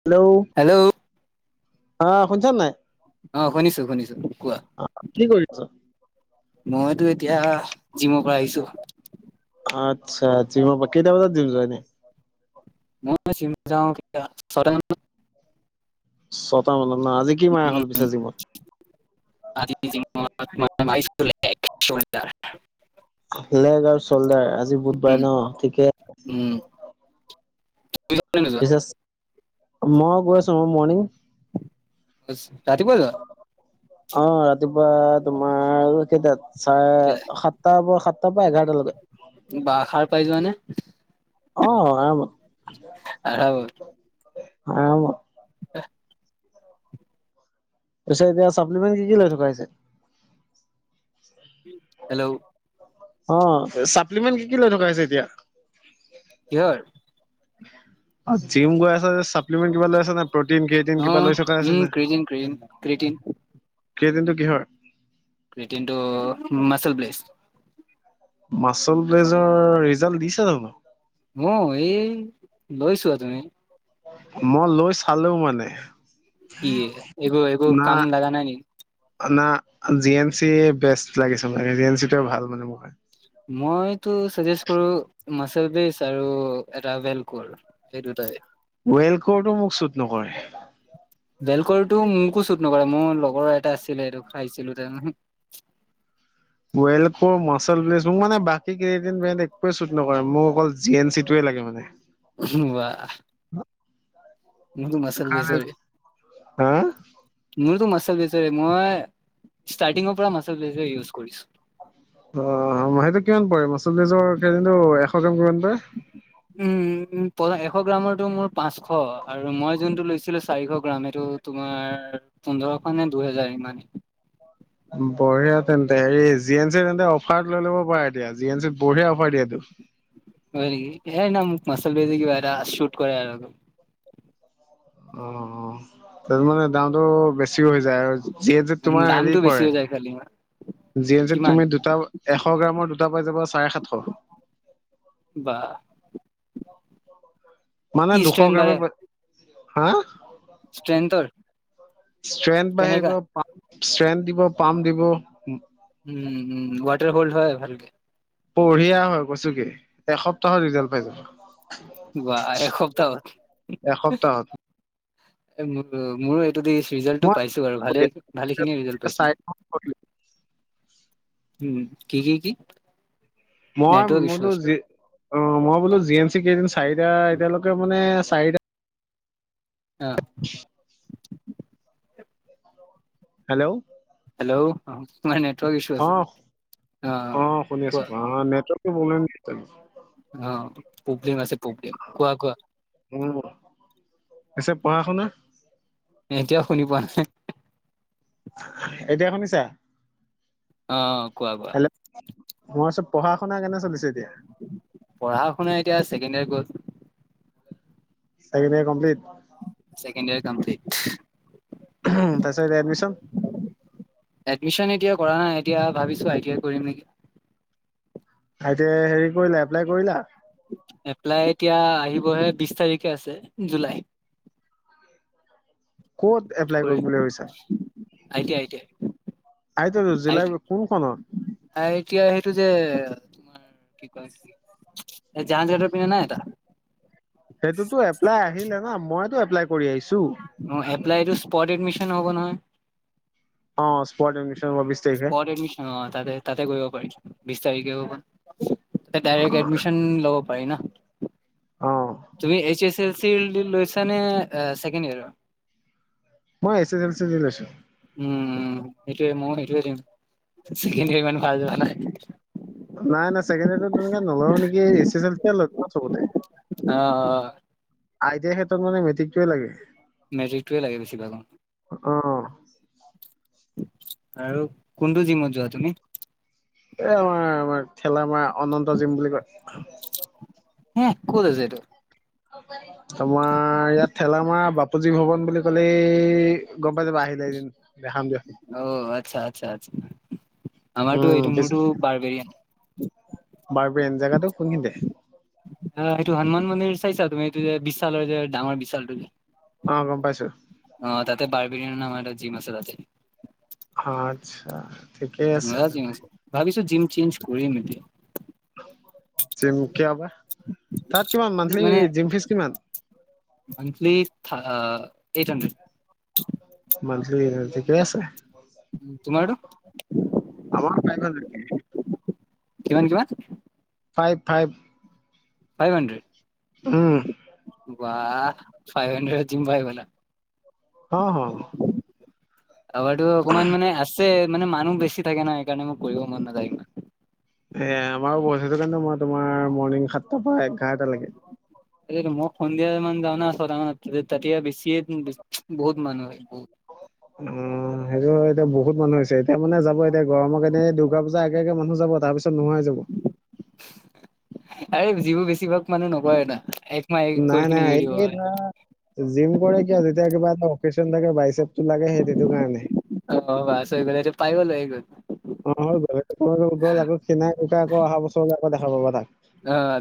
Hello hello অ শুনিছা নাই। অ শুনিছো শুনিছো কোৱা কি কৰি আছ? মইতো এতিয়া জিমৰ পৰা আহিছো আচ্ছা জিমৰ পৰা কেইটা বজাত জিম যোৱা এনে মই যাওঁ ছটা মান বজাত ছটা মানত ন আজি কি মাৰা হ'ল পিছে জিমত আজদাৰ [unintelligible] লেগ আৰু চল্ডাৰ আজি বুধবাৰ উম ন ঠিকে উম তুমি যোৱা নে পিছে নোযোৱা মই গৈ আছো মই মৰ্ণিং বচ ৰাতি পুৱাই যোৱা অ ৰাতি ৰাতিপুৱা তোমাৰ কেইটাত কেলে চাৰে সাতটাৰ পৰা সাতটাৰ পৰা এঘাৰটালৈকে। বা সাৰ পাই যোৱা নে। অ আৰামত। আৰামত আৰামত এহ তাৰ পিছত এতিয়া চাপ্লিমেণ্টি কি কি লৈ থকা হৈছে? হেল্ল' অ চাপ্লিমেণ্ট কি কি লৈ থকা হৈছে এতিয়া? কিহৰ জিম গৈ আছে চাপ্লিমেণ্ট কিবা লৈ আছে নে। প্ৰটিন কেইটিন অ কিবা লৈ থকা হৈছে উম নে ক্ৰিটিন ক্ৰিটিন ক্ৰিটিন কেইটিনটো কিহৰ কেইটিন্টো মচেল প্লেছ। মাচল প্লেচৰ ৰিজাল্ট দিছে জানো। লৈছোঁৱা তুমি মই লৈ চালোও মানে কি এবো এবো না কাম নজনা নিকি না জি এন চি বেষ্ট লাগিছে মানে জি এন চিটোৱে ভাল মানে মোৰ মইতো চাজেষ্ট কৰো। মাচেল প্লেচ আৰু এটা ওৱেল কৰত এই দুটাই ৱেল কৰটো মোক শুট নকৰে। বেলকৰটো মোকো শুট নকৰে মোৰ লগৰ এটা আছিলে সেইটো খাইছিলো ত [unintelligible] ৱল কৰ মাচেল প্লেচ মোক মানে বাকী কেইদিন ব্ৰেণ্ড একোৱে চুত নকৰে। মোক অকল জি এন চি টোৱে লাগে। কিয় মানে উহুম ৱাহ মো মাচল কাৰণে প্লেচৰ হা মোৰত টো মাচল প্লেচৰে মই ষ্টাৰ্টিং পৰা মাচল প্লেচৰ ইউজ কৰিছোঁ। অ মাহেকত কিমান পৰে মাচুল প্লেচৰ এনেটো এশ গ্ৰাম কিমান পায়। উম এশ গ্ৰামৰটো মোৰ পাঁচশ আৰু মই যোনটো লৈছো ছিল চাৰিশ গ্ৰাম সেইটো তোমাৰ পোন্ধৰশ নে দুহেজাৰ ইমানেই বঢ়িয়া তেন্তে হেৰি জি এন চি তেন্তে অফাৰ লৈ ল'ব পাৰা এতিয়া জি এন চিত বঢ়িয়া অফাৰ দিয়েটো। এই ন মোক মাচল বেজী কিবা এটা শুট কৰে আৰু। অ অ ত মানে দামতটো বেছি। বেছি হৈ যায় আৰু যিহটো তোমাৰ হেৰি দামটো বেছি পৰে। হৈ যায় খালি জি এন চিত কিমান তুমি দুটা এশ গ্ৰামৰ দুটা পাই যাবা চাৰে সাতশ। বাহ মানে দুশ ষ্ট্ৰেন গ্ৰামে হা স্ত্ৰেন্তৰ [unintelligible] ষ্ট্ৰেন দিব পাম্প দিব। উম উম ৱাটাৰ হ'ল্ড হয় ভালকে। বঢ়িয়া হয় কৈছো কি এসপ্তাহত ৰিজাল্ট পাই যাবা। ৱাহ এসপ্তাহত। এসপ্তাহত এই ম মোৰ ৰিজালটো মই পাইছো আৰু ভালে ভালে খিনিয়ে ৰিজালট পাইছো। উম কি কি কি? মই নেটৱৰ্ক ইছ্যু বোলো আছে অ মই বোলো জি এন চি কেইদিন চাৰিটা এতিয়ালৈকে মানে চাৰিটা অ হেল্ল' হ অ তোমাৰ নেটৱৰ্ক ইছ্যু অ আছে অ শুনি আছো কোৱা অ নেট পুবডিম আছে পুবলিম কোৱা কোৱা উম পিছে পঢ়া শুনা এতিয়াও শুনি পোৱা নাই এতিয়া শুনিছা অ কোৱা কোৱা মোৰ ওচৰত পঢ়া শুনা কেনে চলিছে এতিয়া। পঢ়া শুনা এতিয়া ছেকেণ্ড ইয়াৰ গ'ল second year complete. Second year complete. তাৰপিছত এডমিশন? এডমিচন এতিয়া কৰা নাই এতিয়া ভাবিছোই টিই কৰিম নেকি ততে হেৰি কৰিলা এপ্লাই কৰিলা। এপ্লাই এতিয়া আহিবহে বিশ তাৰিখে আছে জুলাই। ক'ত এপ্লাই কৰিব বুলি ভাবিছা। আইটীয়া আইটীয়া। আইটো জিলাই কোনখনত? আইতিয়া সেইটো যে। তোমাৰ কি ক জাহাজতৰ পিন্ধনে নাই এটা। সেইটোতো এপ্লাই আহিলে না মইতো এপ্লাই কৰি আহিছো অ এপ্লাইটো স্পট এডমিশন হ'ব নহয় অ স্পট এডমিশন হব বিশ তাৰিখে। প এডমিশন তাতে তাতে কৰিব পাৰিছো বিছ তাৰিখে প ডাইৰেক্ এডমিশন লব পাৰি ন অ তুমি এইচ এছ এল চি লৈছ নে ছেকেণ্ড ইয়োৰৰ। মই এছ এছ এল চি আছো উম সেইটোোৱে মই সেইেমমান ভাল যোৱা নাই। নাই নাই চছেকেণ্ড তেনেকে নলো নেকি এ এছ এল চ ল চবতে। অ অ আইটিয়াৰ ক্ষেত্ৰত মানে মেট্ৰিকটোৱে লাগে মেজিকটয়ে লাগে বেছিভাগৰ অ আৰু কোনটো জিমত যোৱা তুমি। এ আমাৰ আমাৰ ঠেলা মাৰ অনন্ত জিম বুলি কয় হে ক'ত আছে এইটো তোমাৰ ইয়াত ঠেলামাৰ বাপুজী ভৱন বুলি কলেই। গম পতে বাহি য দিম দেখাম দিয় আমাৰতটো এইটো মোৰতটো বাৰবেৰিয়ান বাৰপেন জেগাটো কোনখিনতে অ এইেইটো হনুমান মন্দিৰ চাইছা তুমি এইটো যে বিশালৰ যে ডাঙৰ বিশালটো যে অ গম পাইছো অ তাতে বাৰ বি নামাৰ এটা জিম আছে তাতে আতচ্ছা মি ভাবিছো জিম চেঞ্জ কৰিম এতিয়া জিম কিয় বা তাত কিমান মান্থলি জিম ফিজ কিমান আমি কি এইট হণ্ড্ৰেড মানঠিলি এনাজি ঠিকেই আছে তোমাৰতো আমাৰ পাই ভা নাকি কিমান কিমান ফাইভ ফাইভ ফাইভ হণ্ড্ৰেড উম বাহ ফাই হণ্ড্ৰেড দিম বাই বলা হা হা যাবৰটো অকমান মানে আছে মানে মানুহ বেছি থাকে ন সেইকাৰণে মোৰ কৰিব মন নাযায়। ইমান এ আমাৰো ব সেইটো কাৰণে মই তোমাৰ মৰ্ণিং সাতটাৰ পৰা এঘাৰটালৈকে এই মই সন্ধিয়া ইমান যোৱা না ছটা তেতিয়া বেছিয়ে বহুত মানুহ আছে বহুত - [unintelligible] অ সেইটো এতিয়া বহুত মানুহ হৈছে এতিয়া মানে যাব এতিয়া গৰমৰ কাৰনে দুৰ্গা পূজাৰ আগে-আগে মানুহ যাব তাৰ পিছত - নোহোৱা হৈ যাব। আৰে যিবোৰ বেছিভাগ মানে নকৰে এটা নাই-নাই এই ধৰা জিম কৰে কিয় তেতিয়া কিবা এটা অকচন থাকে বাইছে লাগে সেইটোৰ কাৰণে- অ বাছ হৈ গ'ল এইটো পাই গ'লো আহি গ'ল। অ গলে গল আকৌ খিনাই-শুকাই আকৌ অহা বছৰলৈ আকৌ দেখা পাবা তাক। অঁ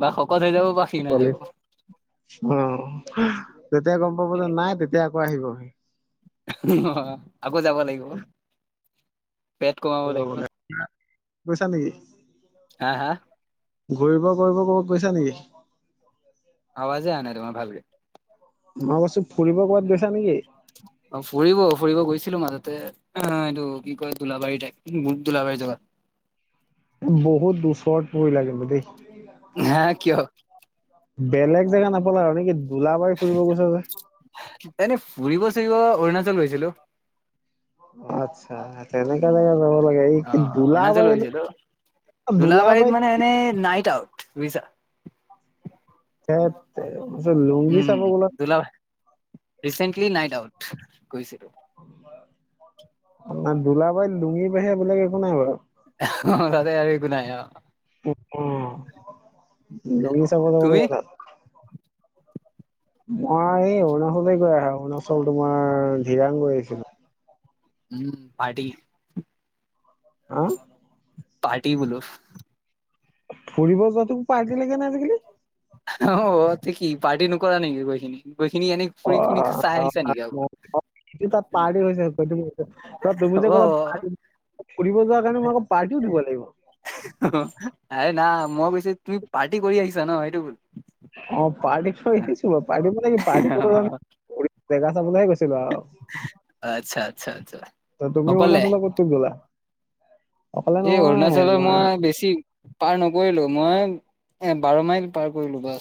বা শকত হৈ যাব বা ক্ষীণ হৈ যাব। অঁ তেতিয়া গম পাব যে নাই তেতিয়া আকৌ আহিব অ আকৌ যাব লাগিব। পেট কমাব অ লাগিব গৈছা নেকি? হা হা ঘূৰিব কৰিব ক'ৰবাত গৈছা নেকি? আৱাজে অহা নাই তোমাৰ ভালকে মই কৈছো ফুৰিব ক'ৰবাত গৈছা নেকি? অ ফুৰিব-ফুৰিব গৈছিলো মাজত। এইটো কি কয় দোলাবাৰী দোলাবাৰী জেগাত। বহুত দুচৰত পৰিলা কিন্তু দেই হা কিয়? বেলেগ জেগা নাপালা আৰু নেকি? দোলাবাৰী ফুৰিব গৈছা যে এনেই ফুৰিব-চুৰিব অৰুণাচল গৈছিলো। আচ্ছা তেনেকুৱা জেগাত যাব লাগে এই দুলাবাৰী দুলাবাইত মানে এনে নাইট আউট বুইছা। তাকে লুংগি চাব বলক - ৰিচেণ্টলি নাইট আউট গৈছিলো। ন দোলাবাৰী লুঙি বাহিৰে বেলেগ একো নাই বাৰু অ তাতে আৰু একে নাই অঁ। লঙি চাব যাব তুমি লাগিব তাত। মই এই অৰুণাচলে গৈ আছো অৰুণাচল তোমাৰ জিৰাং গৈ আছিলো। উম পাৰটি হা পাৰ্টি বোলো ফুৰিব যোৱা তোক পাৰ্টি লাগে নাই আজিকালি। অ তে কি পাৰ্টি নকৰা নেকি গৈ কিনি গৈ কিনি এনে অ' ফুৰিকিনি অ, চাই আহিছা নেকি আকৌ অ, অ, কিন্তু তাত পাৰ্টি হৈছে তুমি যে ক'লা অ', পাৰ্টি ফুৰিব যোৱা কাৰণে মই আকৌ পাৰ্টিও দিব লাগিব। এ না মই কৈছো তুমি পাৰ্টি কৰি আহিছা ন সেইটো অ পাৰ্টিক থৈ আহিছো বাৰু পাৰ্টি মানে পাৰ্টি কৰিব যাম অ', জেগা চাবলৈ গৈছে আচ্ছা, আচ্ছা, আচ্ছা তুমি মানে অকলে অৰুনাচল ক'ত ক'ত গ'লা অকলে সেই নহয় অৰুণাচলৰ আমাৰ মই বেছি পাৰ ন কৰিলো মই এ বাৰ মাইল পাৰ কৰিলো বাছ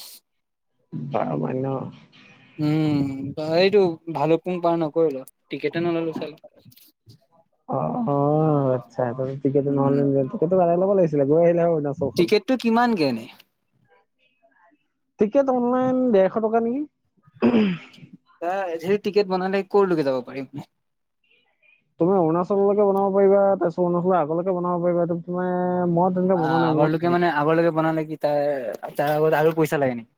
বাৰ মাইল ন উম এইটো ভালোকপুং পাৰ নকৰিলোঁ টিকেট নললো চ অ অ, আচ্ছা ক নহ ব ল'ব লাগিছিলে গৈ আহিলে হনা চৌখন টিকেটটো কিমানকে এনে টিকেট অনলাইন ডেৰশ টকা নেকি। ৰি টিকেট বনালে কলৈকে যাব পাৰিম। তুমি অৰুণাচলৈকে বনাব পাৰিবা। তাৰ পিছত অৰুণাচলৰ আগলৈকে বনাব পাৰিবা। তুমি অ 'আগৰলৈোকে মানে আগলৈকে ছ কি তাৰ তাৰ আগত আৰু পইচা লাগে নেকি?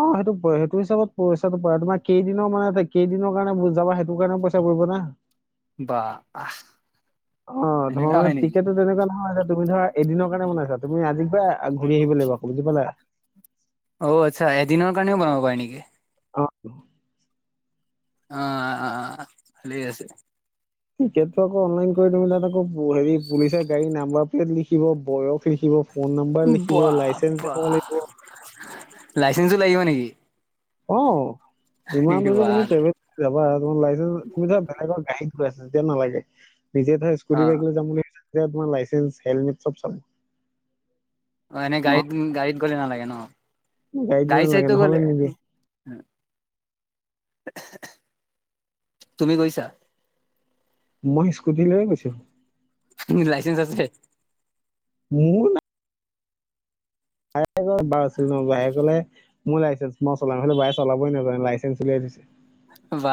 অ' সেইটো সেইটো হিচাপত পইচাটো তোমাৰ কেইদিনৰ মানে কেইদিনৰ কাৰণে বুজাবা সেইটো কাৰণে পইচা কৰিব না। বা। অ' তোমাৰ এনেকা মানে হয় নেকি টিকেটো তেনেকুৱা নহয় যে তুমি ধৰা এদিনৰ কাৰণে বনাইছা তুমি আজি প ঘূৰি আহিবলৈ পাৰিবা বুজি পালা। অ' আচ্ছা এদিনৰ কাৰণেও বনাব পাৰি নেকি? আহ। আহ ভালে আছে। টিকটো আকৌ অনলন কৰি তুমি তাত আকৌ হেৰি পুলিচ গাড়ী নাম্বাৰ প্লেট লিখিব, বয়স লিখিব। ফোন নাম্বাৰ লিখিব বাহ লাইচেন্ঞ্চ দেখাব বাহ লাগিব। লাইচেন্ঞ্চো লাগিব নেকি? অ' যিমান দূৰ যে অ তুমি ট্ৰেভেল যাবা লে তুমি ধৰা বেলেগৰ গডী গৈ আছ তেতিয়া নালাগে। নিজে ধৰা স্কুটি অ বাইকৈ যাম বুলি ভাবা য়া তোমাৰ লাইচেন্স হেলমেট চব চাব। অ'এনে গাড়ীত নহয় গাড়ীত গ'লে নালাগে ন? গাড়ীত নালাগে গাড়ী-চাইটো গ'লে নহলে নিদিয়ে তুমি গৈছা? মই স্কুটী লৈ গৈছো। লাইচেন্স আছে? মোৰ নাই। বাহে ক বাৰু আছিল ন বাহে কলে মোৰ লাইচেন্ঞ্চ মই চলামলে বাহে চলাবই নাজানে লাইচেন্ঞ্চ উলিয়াই দিছে। বা,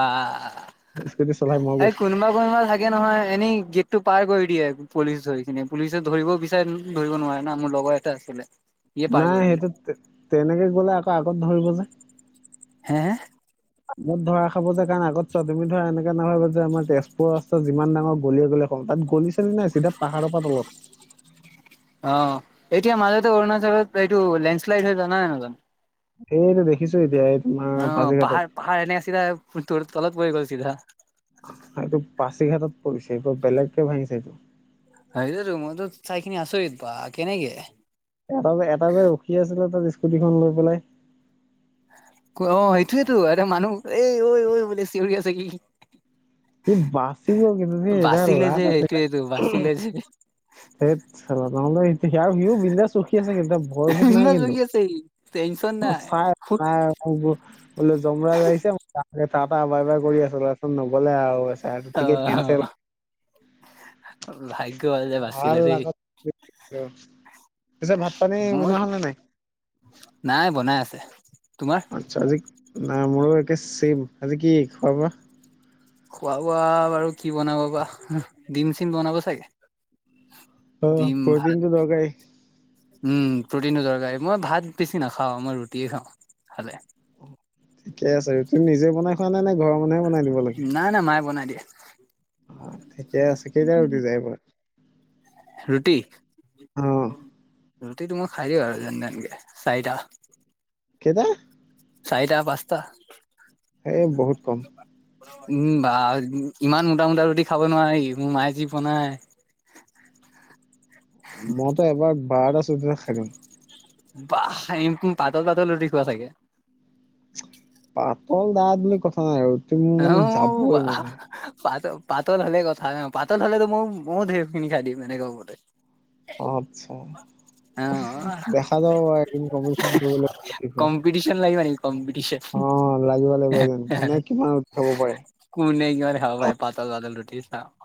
স্কুটি চলাই মই এই গৈছো কোনোবা কোনোবা থাকে নহয় এনেই টো পাৰ কৰি দিয়ে। পুলিচ ধৰিখিনি পুলিচে ধৰিব বিচাৰে ধৰিব নোৱাৰে না মোৰ লগৰ এটা আছিলে। ইয়ে পাৰ নাই কৰি দিলে সেইটো তেনেকে গলে আকৌ আগত ধৰিব যে। হে, হে। মত ধৰা খাব যে কাৰণ আগত চোৱা তুমি ধৰা এনেকে নভাবা যে, আমাৰ তেজপুৰৰ ৰাস্তাত যিমান ডাঙ গলিয়-গলিয় তাত গলি চলি নাই। চিধা পাহাৰৰ পৰা অলত। অ' এতিয়া মাজতে অৰুণাচলত এইটো লেণ্ড শ্লাইড হৈ জানাই নে নহ জানো। এইনে দেখিছো এতিয়া। তোমাৰ অ' পাছিঘাটত পাহা পাহাৰ এনে চিধা ত তলক পৰি গল চিধা। আহ এইটো পাচিঘাটত পৰিছে এইব বেলেগকে ভাঙিছে এইটো। আহ ত মদ চাইখিনি আছৰিত্ বাঁহ কেনেকে? [unintelligible] এটা যে এটা যে ৰখি আছিলে তাত স্কুটিখন লৈ পেলাই। [unintelligible] অ' সেইটোয়েতো এ মানুহ এ ঐ, ঐ বোলে চিঞৰি আছে কি? ই বাচি গল কিন্তু দেই তাৰ বাচিলে লাক যে আছিলে। সেইটোয়েতো বাচিলে যে [unintelligible] সেই চালা নহ'লে স বিন্দাছ ৰখি আছে কিন্তু ভয় ভূত নাই বিন্দাছ কিন্তু। বকি আছে ই টেনচন [unintelligible] অ' নাই। চাই, ফুট চাই বোলে জমৰায আহিছে ম [unintelligible] তবাৰপা বাই বাই কৰি আছে তাপা নগলেআও অ কন্সেল [unintelligible] [unintelligible] ভাগ্য যে ভাল বাচিলে দেই। লাগে। [unintelligible] পিছে ভাত-পানী বনাৱা মোৰ হল নে নাই? [unintelligible] নাই, বনাই আছে। তোমাৰ? আচ্ছা আজি ন মোৰো একে চেম। আজি কি খোৱা বোৱা? [unintelligible] খোৱা-বোৱা বাৰু কি বনাব বা, ডিম-চিম বনাব চাগে। অ' ডিম ভাত। প্ৰটিনটো দৰকাৰী উম প্ৰটিনো দৰকাৰী মই ভাত বেছি নাখাওঁ মই ৰুটিয়ে খাওঁ খালে ঠিকে আছে ৰুটি নিজে বনাই খোৱা নে নে ঘৰৰ মানুহে বনাই দিব লাগে নাই নাই [inaudible] অ ঠিকে আছে কেইটা ৰুটি যায় বাও ৰুটি অ' ৰুটিটো মই খাই আৰু যেন তেনকে চাৰিটা কেইটা চাৰিটা পাঁচটা এ বহুত কম উম বা ইমান মোটা মোটা ৰুটি খাব নোৱাৰি মোৰ মায়ে যি বনাই [inaudible] খাইদুং [unintelligible] বা পাতল পাতল ৰুটি খোৱা চাগে পাতল দাথ বুলি কথা নাই আৰু ৰুটি মোৰ মানে যাবই মানে পাত পাতল হ'লে কথা নাই পাতল হ'লে মই মই ধেই খিনি খাই দিম এনেক কব আচ্ছা অ', দেখা যাব এদিন কম্পিতিচন কম্পিটিশন লাগিবা নেকি কম্পিটিশন অ' লাগিব লাগিব এদিন কোনে [unintelligible] কিমান ৰুটি খাব পাৰে। কোনে কিমান খাব পাৰে পাতল তাতল ৰুটি চাও [unintelligible]